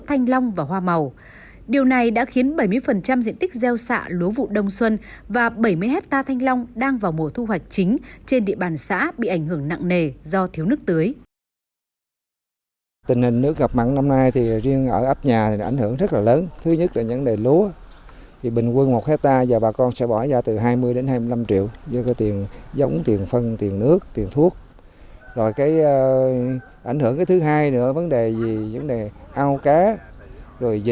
anh long đang vào mùa thu hoạch chính trên địa bàn xã bị ảnh hưởng nặng nề do thiếu nước tưới